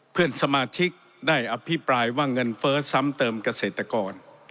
เพื่อนสมาชิกได้อภิปรายว่าเงินเฟ้อซ้ำเติมเกษตรกร